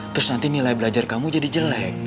terus nanti nilai belajar kamu jadi jelek